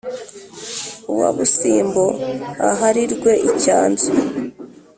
uwa busimbo aharirwe icyanzu